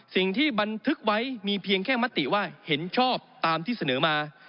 สิ่งที่บันทึกไว้มีเพียงแค่มติว่าเห็นชอบตามที่เสนอมา